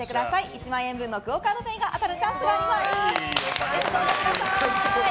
１万円分のＱＵＯカードＰａｙが当たるチャンスがあります。